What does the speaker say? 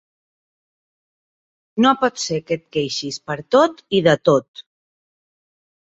No pot ser que et queixis per tot i de tot.